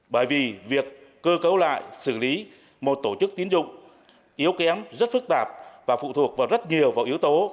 bởi vì việc cơ cấu lại xử lý một tổ chức tín dụng yếu kém rất phức tạp và phụ thuộc vào rất nhiều điều